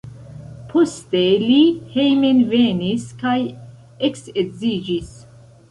Poste li hejmenvenis kaj eksedziĝis.